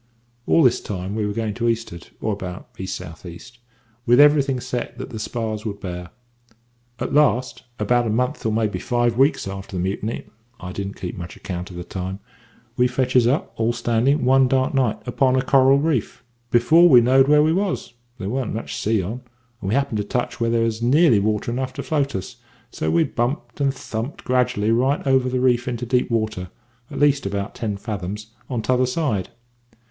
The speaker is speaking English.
"All this time we were going to the east'ard, or about east south east, with everything set that the spars would bear. At last, about a month or maybe five weeks after the mutiny I didn't keep much account of the time we fetches up, all standing, one dark night, upon a coral reef, before we knowed where we was. There warn't much sea on, and we happened to touch where there was nearly water enough to float us; so we bumped and thumped gradually right over the reef into deep water at least about ten fathoms on t'other side.